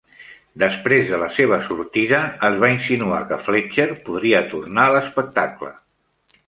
Després de la seva sortida, es va insinuar que Fletcher podria tornar a l"espectacle.